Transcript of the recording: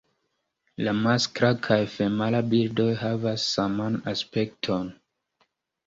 La maskla kaj femala birdoj havas saman aspekton.